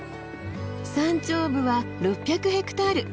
山頂部は６００ヘクタール。